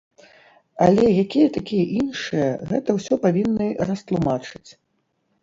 Але якія такія іншыя, гэта ўсё павінны растлумачыць.